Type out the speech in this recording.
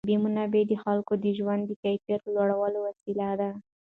طبیعي منابع د خلکو د ژوند د کیفیت لوړولو وسیله ده.